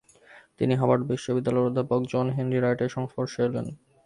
তিনি হার্ভার্ড বিশ্ববিদ্যালয়ের অধ্যাপক জন হেনরি রাইটের সংস্পর্শে এলেন।